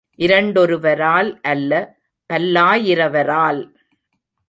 இரண்டொருவரால் அல்ல, பல்லாயிரவரால்.